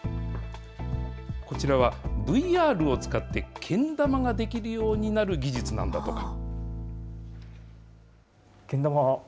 こちらはＶＲを使ってけん玉ができるようになる技術なんだとか。